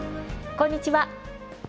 こんにちは。